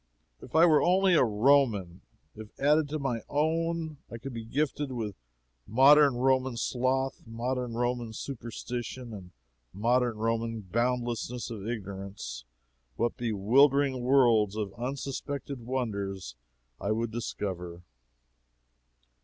But if I were only a Roman! If, added to my own I could be gifted with modern Roman sloth, modern Roman superstition, and modern Roman boundlessness of ignorance, what bewildering worlds of unsuspected wonders I would discover!